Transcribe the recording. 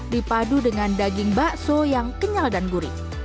dipadu dengan daging bakso yang kenyal dan gurih